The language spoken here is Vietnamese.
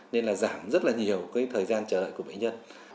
nên là giảm rất là nhiều thời gian chờ đợi của bệnh nhân